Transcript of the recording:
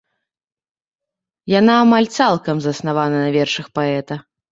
Яна амаль цалкам заснавана на вершах паэта.